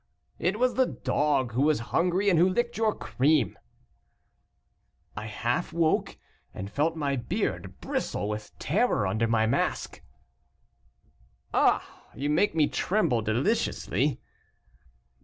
"It was the dog, who was hungry, and who licked your cream." "I half woke, and felt my beard bristle with terror under my mask." "Ah! you make me tremble deliciously."